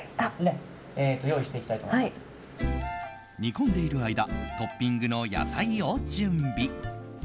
煮込んでいる間トッピングの野菜を準備。